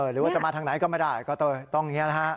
หรือว่าจะมาทางไหนก็ไม่ได้ก็ต้องอย่างนี้นะฮะ